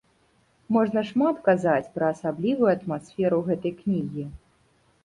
Можна шмат казаць пра асаблівую атмасферу гэтай кнігі.